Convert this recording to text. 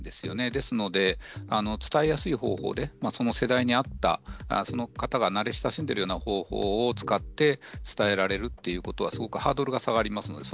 ですので伝えやすい方法でその世代にあった、その方が慣れ親しんでいる方法を使って伝えられるということはすごくハードルが下がります。